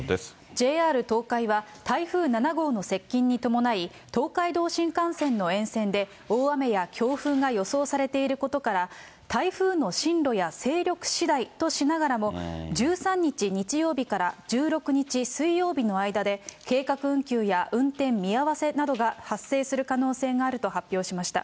ＪＲ東海は台風７号の接近に伴い、東海道新幹線の沿線で大雨や強風が予想されていることから、台風の進路や勢力しだいとしながらも、１３日日曜日から１６日水曜日の間で、計画運休や運転見合わせなどが発生する可能性があると発表しました。